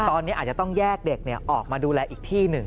ตอนนี้อาจจะต้องแยกเด็กออกมาดูแลอีกที่หนึ่ง